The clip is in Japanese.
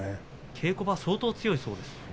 稽古場、相当強いそうですね。